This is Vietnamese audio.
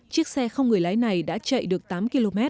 chiếc xe không người lái này đã chạy được tám km